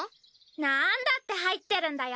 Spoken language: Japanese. なんだって入ってるんだよ！